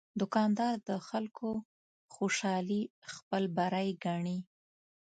دوکاندار د خلکو خوشالي خپل بری ګڼي.